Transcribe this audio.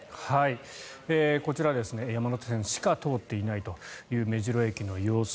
こちら山手線しか通っていないという目白駅の様子